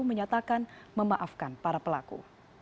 menyatakan memaafkan para pelaku